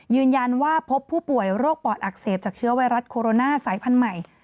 พบว่าพบผู้ป่วยโรคปอดอักเสบจากเชื้อไวรัสโคโรนาสายพันธุ์ใหม่